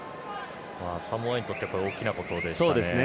サモアにとって大きなことですよね。